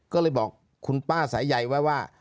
ก็เลยบอกคุณป้าสายใยไว้ว่า